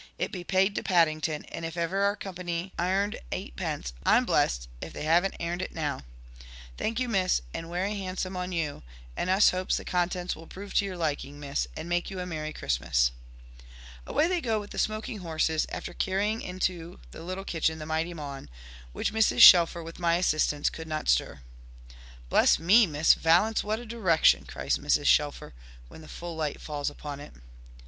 It be paid to Paddington, and if ever our Company airned eightpence, I'm blessed if they haven't airned it now. Thank you, Miss, and werry handsome on you, and us hopes the contents will prove to your liking, Miss, and make you a merry Christmas." Away they go with the smoking horses, after carrying into the little kitchen the mighty maun, which Mrs. Shelfer, with my assistance, could not stir. "Bless me, Miss Valence, what a direction!" cries Mrs. Shelfer, when the full light falls upon it.